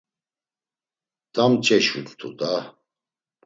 Mt̆a mç̌eşumt̆u da!